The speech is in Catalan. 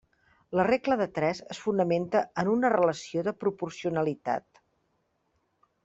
La regla de tres es fonamenta en una relació de proporcionalitat.